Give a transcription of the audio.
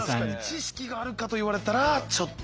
知識があるかと言われたらちょっと。